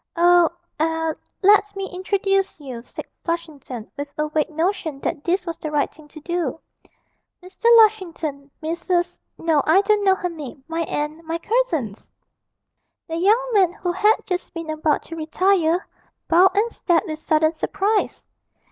'Oh er let me introduce you,' said Flushington, with a vague notion that this was the right thing to do; 'Mr. Lushington Mrs. (no, I don't know her name) my aunt ... my cousins!' The young man, who had just been about to retire, bowed and stared with sudden surprise.